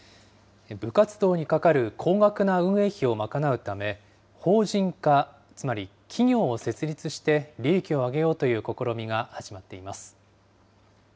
部活動にかかる高額な運営費を賄うため、法人化、つまり企業を設立して、利益を上げようという試みが始まっています。